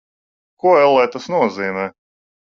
Ko, ellē, tas nozīmē?